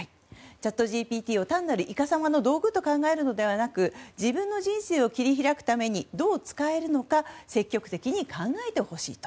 チャットＧＰＴを単なるイカサマの道具と考えるのではなく自分の人生を切り開くためにどう使えるのか積極的に考えてほしいと。